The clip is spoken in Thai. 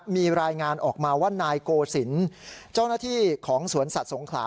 มีรายงานออกมาว่านายโกศิลป์เจ้าหน้าที่ของสวนสัตว์สงขลา